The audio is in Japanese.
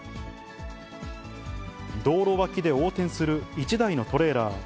道路脇で横転する１台のトレーラー。